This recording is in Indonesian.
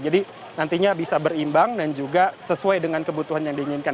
jadi nantinya bisa berimbang dan juga sesuai dengan kebutuhan yang diinginkan